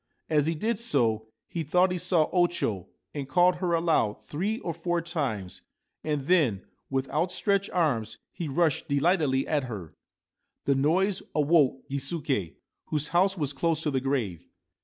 As he did so he thought he saw O Cho, and called her aloud three or four times, and then with outstretched arms he rushed delightedly at her. The noise awoke Gisuke, whose house was close to the grave.